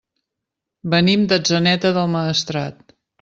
Venim d'Atzeneta del Maestrat.